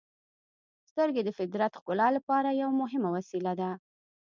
• سترګې د فطرت ښکلا لپاره یوه مهمه وسیله ده.